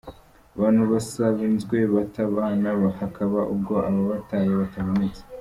Abantu basanzwe bata abana hakaba ubwo ababataye batabonetse.